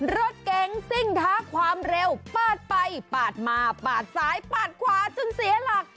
รถเก๋งซิ่งท้าความเร็วปาดไปปาดมาปาดซ้ายปาดขวาจนเสียหลัก